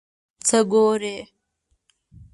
څه ګورې ؟